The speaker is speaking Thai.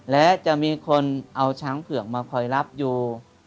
และจะมีคนเอาช้างเผือกมาคอยรับอยู่